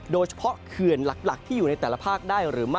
เขื่อนหลักที่อยู่ในแต่ละภาคได้หรือไม่